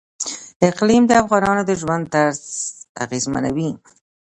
اقلیم د افغانانو د ژوند طرز اغېزمنوي.